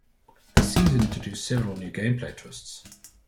The season introduced several new gameplay twists.